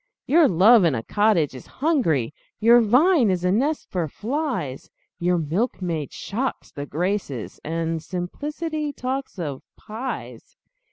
Your love in a cottage is hungry, Your vine is a nest for flies Your milkmaid shocks the Graces, And simplicity talks of pies!